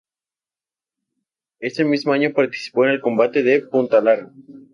Ese mismo año participó en el Combate de Punta Lara.